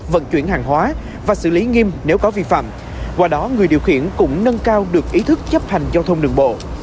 vận chuyển hàng hóa và xử lý nghiêm nếu có vi phạm qua đó người điều khiển cũng nâng cao được ý thức chấp hành giao thông đường bộ